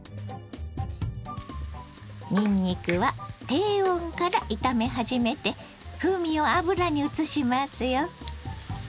にんにくは低温から炒め始めて風味を油にうつしますよ。